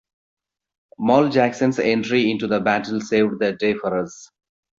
Mal Jackson's entry into the battle saved the day for us.